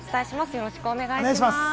よろしくお願いします。